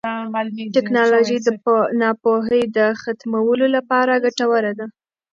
ټیکنالوژي د ناپوهۍ د ختمولو لپاره ګټوره ده.